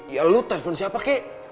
ya lu telepon siapa kek